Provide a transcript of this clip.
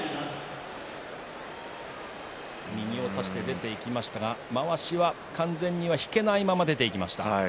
右を差して出ていきましたがまわしが完全に引けないまま出てきました。